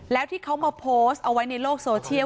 แล้วที่เขามาโพสต์เอาไว้ในโลกโซเชียล